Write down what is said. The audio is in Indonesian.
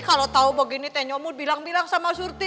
kalau tau begini nyomut bilang bilang sama surti